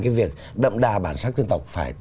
cái việc đậm đà bản sắc dân tộc phải